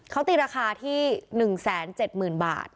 เขาติดราคาที่๑แสน๗หมื่นบาท